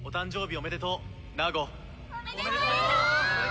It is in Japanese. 「おめでとう！」